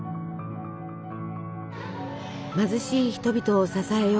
貧しい人々を支えよう。